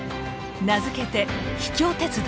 名付けて「秘境鉄道」。